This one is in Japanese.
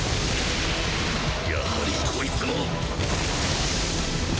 やはりこいつも！